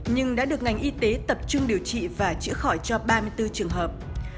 nhưng đã được ngành y tế tập trung điều trị và chữa khỏi cho ba mươi bốn trường hợp